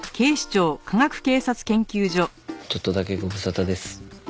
ちょっとだけご無沙汰です。